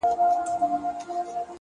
• په حيرت حيرت پاچا ځان ته كتله,